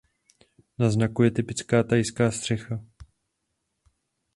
Na znaku je typická thajská střecha.